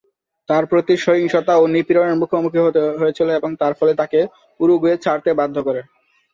তাঁর প্রতি সহিংসতা ও নিপীড়নের মুখোমুখি হতে হয়েছিল এবং তাঁর ফলে তাঁকে উরুগুয়ে ছাড়তে বাধ্য করে।